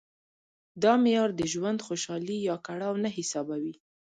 دا معیار د ژوند خوشالي یا کړاو نه حسابوي.